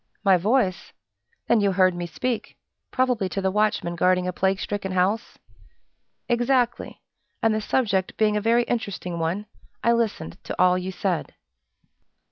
"My voice! Then you heard me speak, probably to the watchman guarding a plague stricken house?" "Exactly! and the subject being a very interesting one, I listened to all you said."